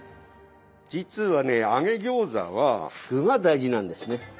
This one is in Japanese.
実はね揚げ餃子は具が大事なんですね。